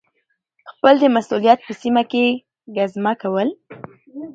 خپل د مسؤلیت په سیمه کي ګزمه کول